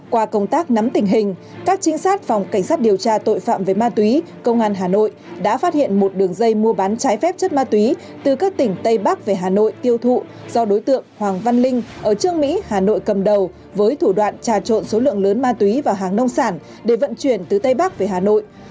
qua công tác nắm tình hình các trinh sát phòng cảnh sát điều tra tội phạm về ma túy công an hà nội đã phát hiện một đường dây mua bán trái phép chất ma túy từ các tỉnh tây bắc về hà nội tiêu thụ do đối tượng hoàng văn linh ở trương mỹ hà nội cầm đầu với thủ đoạn trà trộn số lượng lớn ma túy và hàng nông sản để vận chuyển từ tây bắc về hà nội